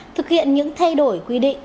thực hiện những thay đổi quy định